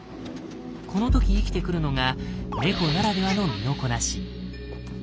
この時生きてくるのが猫ならではの身のこなし。